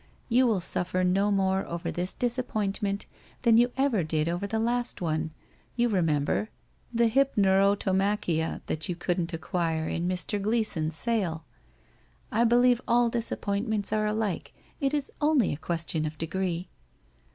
You will suffer no more over this disappointment than you did over the last one — you re member — the Hypnerotomaehia that you couldn't acquire in Mr. fileeson's sale. I believe all disappointments are alike, it is only a question of degree.'